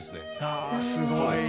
あすごい。